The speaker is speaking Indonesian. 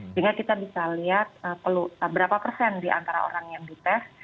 sehingga kita bisa lihat berapa persen di antara orang yang dites